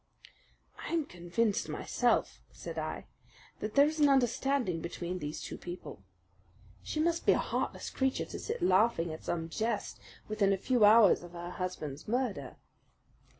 "I am convinced myself," said I, "that there is an understanding between those two people. She must be a heartless creature to sit laughing at some jest within a few hours of her husband's murder."